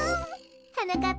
はなかっ